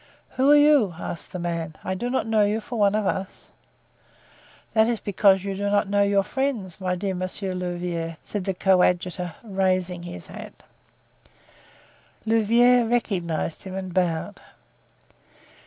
"Who are you?" asked the man. "I do not know you for one of us." "Then it is because you do not know your friends, my dear Monsieur Louvieres," said the coadjutor, raising his hat. Louvieres recognized him and bowed.